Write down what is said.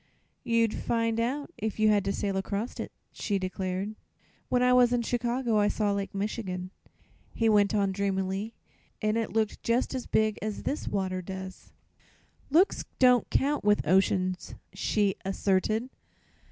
"You'd find out, if you had to sail across it," she declared. "When I was in Chicago I saw Lake Michigan," he went on dreamily, "and it looked just as big as this water does." "Looks don't count, with oceans," she asserted.